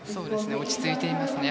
落ち着いていますね。